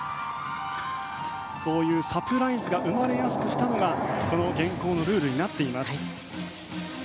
そういうサプライズを生まれやすくしたのがこの現行のルールになっています。